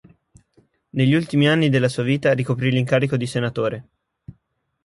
Negli ultimi anni della sua vita ricoprì l'incarico di senatore.